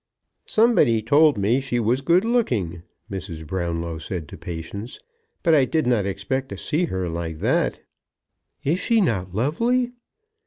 "Somebody told me she was good looking," Mrs. Brownlow said to Patience; "but I did not expect to see her like that." "Is she not lovely?"